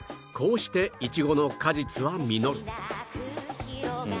こうしてイチゴの果実は実る